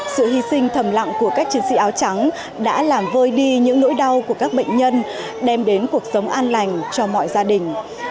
sự hy sinh thầm lặng của các chiến sĩ áo trắng đã làm vơi đi những nỗi đau của các bệnh nhân đem đến cuộc sống an lành cho mọi gia đình